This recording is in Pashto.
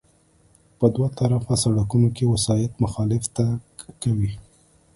په دوه طرفه سړکونو کې وسایط مخالف تګ کوي